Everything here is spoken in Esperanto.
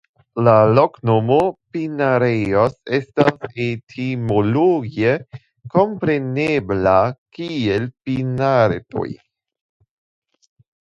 La loknomo "Pinarejos" estas etimologie komprenebla kiel Pinaretoj.